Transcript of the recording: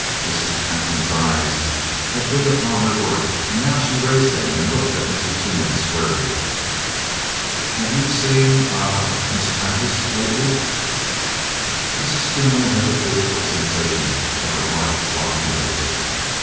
Mrs. Pantin's eyes had been upon her work, now she raised them and looked at Mrs. Toomey squarely. "Have you seen a Miss Prentice lately?" Mrs. Toomey had the physical sensation of her heart flopping over.